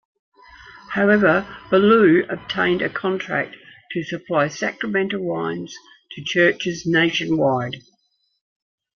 However, Beaulieu obtained a contract to supply sacramental wine to churches nationwide.